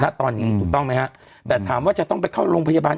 ตอนนี้ถูกต้องไหมฮะแต่ถามว่าจะต้องไปเข้าโรงพยาบาล